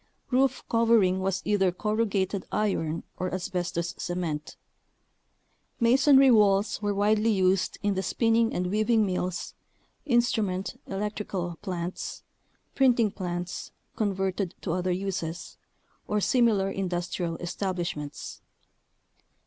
Roof covering was either corrugated iron or asbestos cement. Masonry walls were widely used in the spinning and weaving mills, instrument (electrical) plants, printing plants (converted to other uses), or similar industrial establishments.